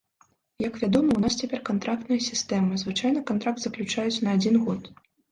Як вядома, у нас цяпер кантрактная сістэма, звычайна кантракт заключаюць на адзін год.